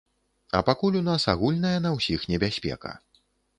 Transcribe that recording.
А пакуль у нас агульная на ўсіх небяспека.